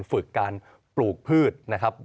ฝึกการปลูกพืช